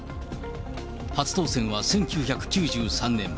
初当選は１９９３年。